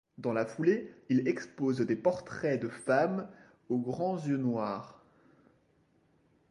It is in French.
Dans la foulée, il expose des portraits de femmes aux grands yeux noirs.